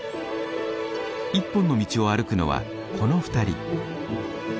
一本の道を歩くのはこの２人。